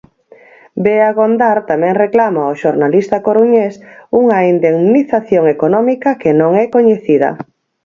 Bea Gondar tamén reclama ao xornalista coruñés unha indemnización económica que non é coñecida.